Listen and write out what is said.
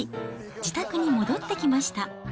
自宅に戻ってきました。